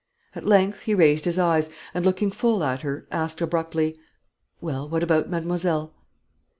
At length he raised his eyes, and, looking full at her, asked abruptly "Well, what about mademoiselle?"